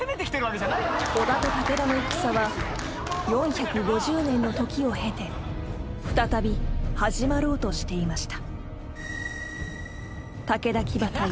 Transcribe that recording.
［織田と武田の戦は４５０年の時を経て再び始まろうとしていました］